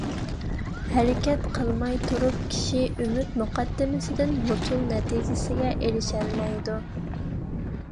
ھەرىكەت قىلماي تۇرۇپ كىشى ئۈمىد مۇقەددىمىسىدىن ھوسۇل نەتىجىسىگە ئېرىشەلمەيدۇ.